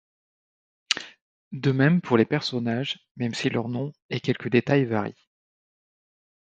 De même pour les personnages, même si leur nom et quelques détails varient.